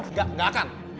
enggak enggak akan